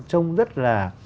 trông rất là